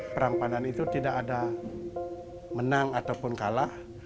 perang pandan itu tidak ada menang ataupun kalah